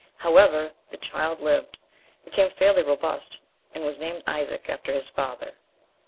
However, the child lived, became fairly robust, and was named Isaac, after his father.